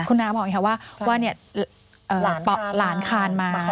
คุณน้าบอกอีกครับว่าหลานคานมา